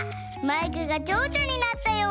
マイクがちょうちょになったよ！